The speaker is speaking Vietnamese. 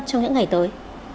trong những ngày tới